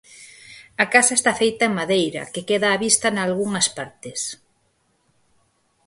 A casa está feita en madeira, que queda á vista nalgunhas partes.